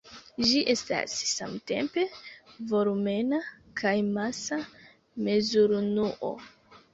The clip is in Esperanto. Ĝi estas samtempe volumena kaj masa mezurunuo.